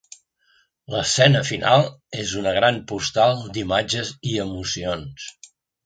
L'escena final és una gran postal d'imatges i emocions.